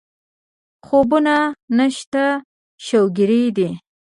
خوبونه نشته شوګېري دي